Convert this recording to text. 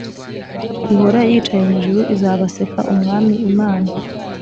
ihora yicaye mu ijuru izabaseka umwami imana